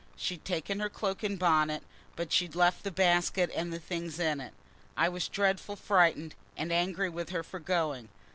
She'd taken her cloak and bonnet, but she'd left the basket and the things in it.... I was dreadful frightened, and angry with her for going.